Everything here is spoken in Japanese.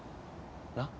なっ？